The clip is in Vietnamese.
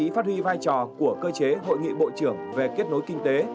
phát huy vai trò của cơ chế hội nghị bộ trưởng về kết nối kinh tế